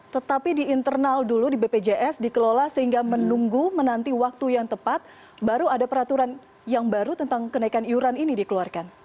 tetapi di internal dulu di bpjs dikelola sehingga menunggu menanti waktu yang tepat baru ada peraturan yang baru tentang kenaikan iuran ini dikeluarkan